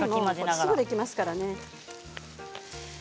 すぐできますからね。